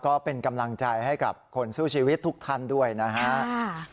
ก็เป็นกำลังใจให้กับคนสู้ชีวิตทุกท่านด้วยนะฮะ